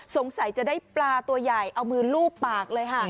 จะได้ปลาตัวใหญ่เอามือลูบปากเลยค่ะ